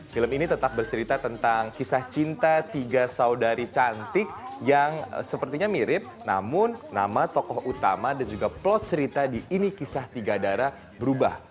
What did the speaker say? film ini tetap bercerita tentang kisah cinta tiga saudari cantik yang sepertinya mirip namun nama tokoh utama dan juga plot cerita di ini kisah tiga darah berubah